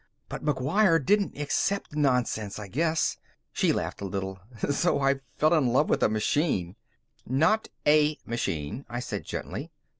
But McGuire didn't accept nonsense, I guess." She laughed a little. "So I fell in love with a machine." "Not a machine," I said gently.